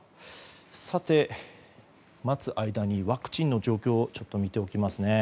さて、待つ間にワクチンの状況を見ておきますね。